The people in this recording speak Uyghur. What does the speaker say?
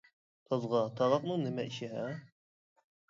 تازغا تاغاقنىڭ نېمە ئىشى ھە؟ !